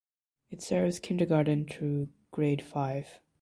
It serves kindergarten through grade five.